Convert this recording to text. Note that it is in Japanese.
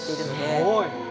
すごい。